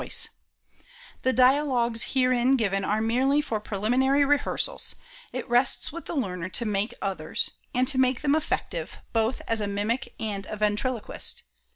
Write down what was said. "] The dialogues herein given are merely for preliminary rehearsals; it rests with the learner to make others, and to make them effective, both as a mimic and a ventriloquist.